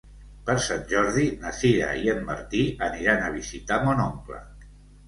Per Sant Jordi na Sira i en Martí aniran a visitar mon oncle.